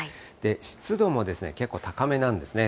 湿度も結構高めなんですね。